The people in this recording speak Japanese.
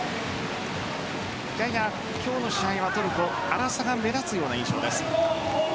今日の試合はトルコ粗さが目立つような印象です。